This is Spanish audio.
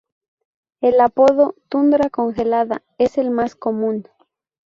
El apodo "Tundra Congelada" es el más común.